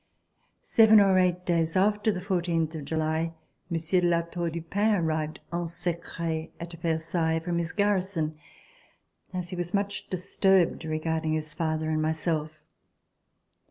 Seven or eight days after the 14 July, Monsieur de La Tour du Pin arrived en secret at Versailles from his garrison, as he was much disturbed regarding his father and myself.